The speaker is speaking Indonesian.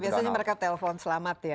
biasanya mereka telpon selamat ya